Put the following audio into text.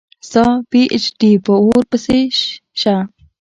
ستا پي ایچ ډي په اوور پسي شه